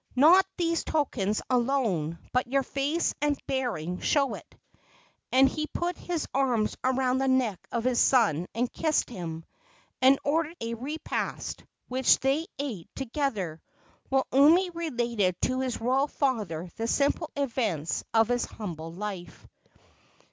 "Not these tokens alone but your face and bearing show it." And he put his arms around the neck of his son and kissed him, and ordered a repast, which they ate together, while Umi related to his royal father the simple events of his humble life.